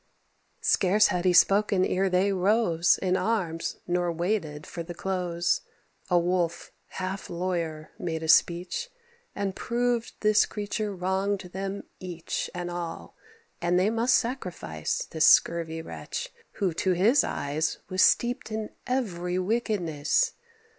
Scarce had he spoken ere they rose In arms, nor waited for the close. A Wolf, half lawyer, made a speech, And proved this creature wrong'd them each And all, and they must sacrifice This scurvy wretch, who to his eyes Was steep'd in every wickedness.